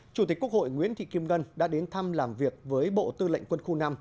chủ tịch quốc hội nguyễn thị kim ngân đã đến thăm làm việc với bộ tư lệnh quân khu năm